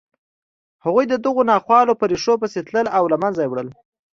هغوی د دغو ناخوالو په ریښو پسې تلل او له منځه یې وړل